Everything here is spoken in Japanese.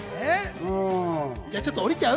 じゃあちょっと降りちゃう？